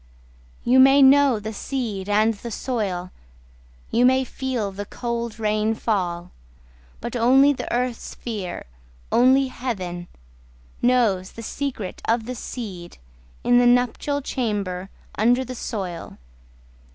You may know the seed and the soil; You may feel the cold rain fall, But only the earth sphere, only heaven Knows the secret of the seed In the nuptial chamber under the soil.